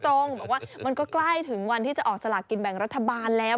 บอกว่ามันก็ใกล้ถึงวันที่จะออกสลากกินแบ่งรัฐบาลแล้ว